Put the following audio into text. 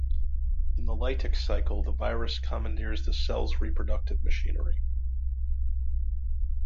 In the lytic cycle, the virus commandeers the cell's reproductive machinery.